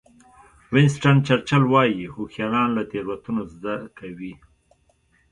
وینسټن چرچل وایي هوښیاران له تېروتنو زده کوي.